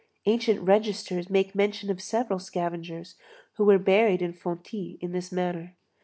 Ancient registers make mention of several scavengers who were buried in fontis in this manner.